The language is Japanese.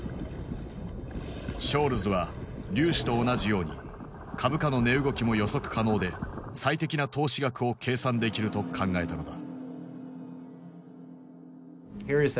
ショールズは粒子と同じように株価の値動きも予測可能で最適な投資額を計算できると考えたのだ。